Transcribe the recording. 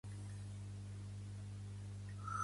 Ermita del Calvari